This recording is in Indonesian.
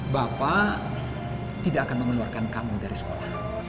bapak tidak akan mengeluarkan kamu dari sekolah